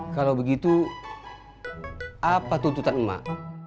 kalau begitu apa tuntutan emak